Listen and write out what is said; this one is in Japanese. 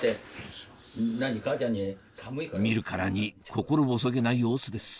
見るからに心細げな様子です